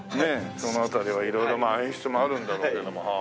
その辺りは色々演出もあるんだろうけども。